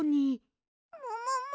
ももも！？